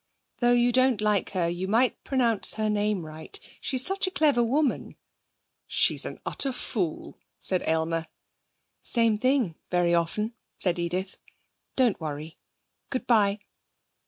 'Though you don't like her, you might pronounce her name right! She's such a clever woman.' 'She's an utter fool,' said Aylmer. 'Same thing, very often,' said Edith. 'Don't worry. Good bye.'